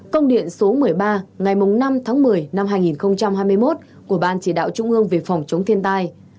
công điện số một mươi ba ngày năm tháng một mươi năm hai nghìn hai mươi một của ban chỉ đạo trung ương về phòng chống thiên tai